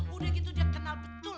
udah gitu dia kenal betul